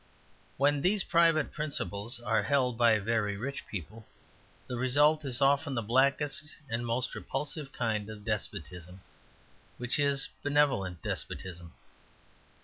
When these private principles are held by very rich people, the result is often the blackest and most repulsive kind of despotism, which is benevolent despotism.